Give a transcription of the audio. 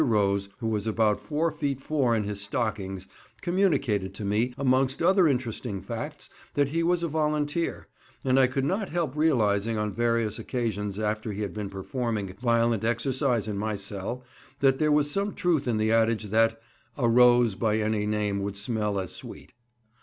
Rose, who was about four feet four in his stockings, communicated to me, amongst other interesting facts, that he was a volunteer, and I could not help realising on various occasions after he had been performing violent exercise in my cell, that there was some truth in the adage that "a Rose by any name would smell as sweet."